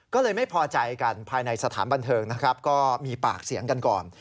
ก็เลยไม่พอใจกันภายในสถานบันเทิงนะครับก็มีปากเสียงกันก่อน